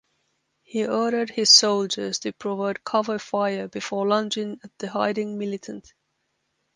He ordered his soldiers to provide cover fire before lunging at the hiding militant.